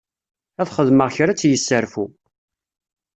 Ad xedmeɣ kra ad tt-yesserfu.